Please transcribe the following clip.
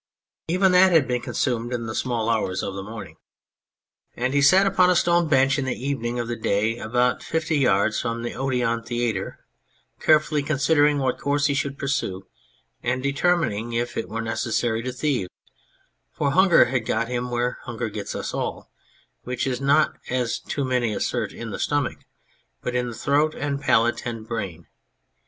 Even that had been consumed in the small hours of the morning, 176 On Anything and he sat upon a stone bench in the evening of the day about fifty yards from the Odeon Theatre, care fully considering what course he should pursue, and determining, if it were necessary, to thieve ; for hunger had got him where hunger gets us all which is not, as too many assert, in the stomach, but in the throat and palate and brain.